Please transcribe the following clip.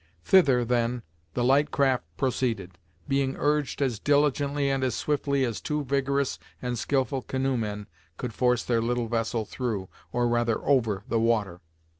Thither, then, the light craft proceeded, being urged as diligently and as swiftly as two vigorous and skilful canoemen could force their little vessel through, or rather over, the water.